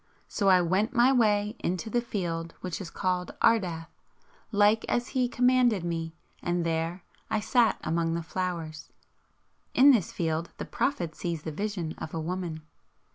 So I went my way into the field which is called Ardath, like as he commanded me, and there I sat among the flowers." In this field the Prophet sees the vision of a woman.